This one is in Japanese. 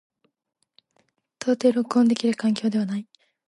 到底録音できる環境ではない。